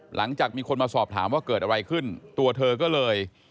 หลังจากมีคนมาสอบถามว่าเกิดอะไรขึ้นตัวเธอก็เลย